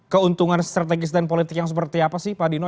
keuntungan strategis dan politik yang seperti apa sih pak dino